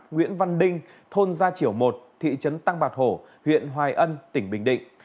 nguyễn văn đinh thôn gia triểu một thị trấn tăng bạc hổ huyện hoài ân tỉnh bình định